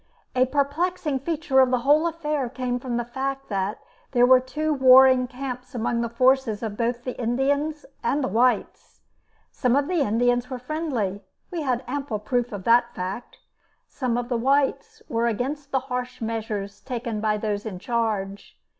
A perplexing feature of the whole affair came from the fact that there were two warring camps among the forces of both the Indians and the whites. Some of the Indians were friendly; we had ample proof of that fact. Some of the whites were against the harsh measures taken by those in charge.